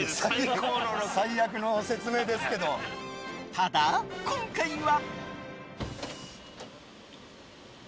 ただ、今回は。